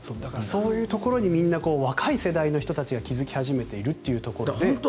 そういうところに若い世代の人たちが気付き始めているというね。